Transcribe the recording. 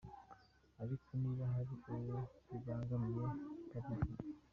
Ariko niba hari uwo bibangamiye yabivuga”.